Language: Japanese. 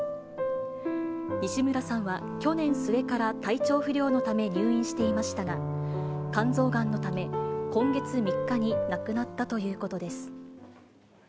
西村さんは去年末から体調不良のため、入院していましたが、肝臓がんのため、今月３日に亡くなったということです。